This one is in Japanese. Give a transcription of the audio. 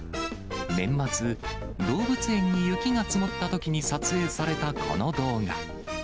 年末、動物園に雪が積もったときに撮影された、この動画。